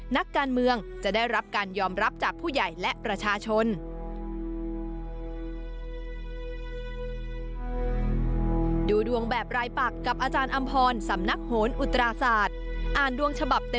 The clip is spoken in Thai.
นักการเมืองจะได้รับการยอมรับจากผู้ใหญ่และประชาชน